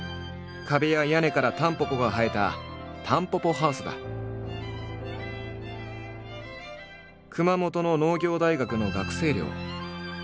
壁や屋根からタンポポが生えた熊本の農業大学の学生寮。